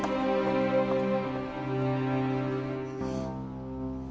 えっ。